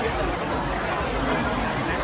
การรับความรักมันเป็นอย่างไร